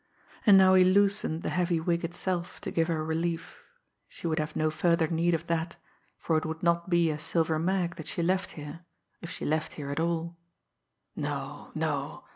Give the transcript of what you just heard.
And now he loosened the heavy wig itself to give her relief she would have no further need of that, for it would not be as Silver Mag that she left here if she left here at all no, no!